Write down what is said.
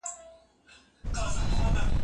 د مقالي مسوده استاد ته یوسه.